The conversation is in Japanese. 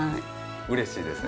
うれしいですね。